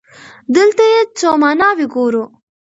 دلته يې څو ماناوې ګورو.